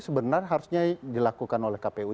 sebenarnya harusnya dilakukan oleh kpu